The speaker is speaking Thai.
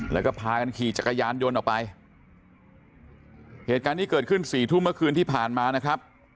แล้วก็พากันขี่จักรยานยนต์ออกไปเหตุการณ์นี้เกิดขึ้นสี่ทุ่มเมื่อคืนที่ผ่านมานะครับ